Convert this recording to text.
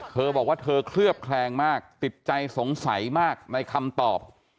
เธอบอกว่าเธอเคลือบแคลงมากติดใจสงสัยมากในคำตอบ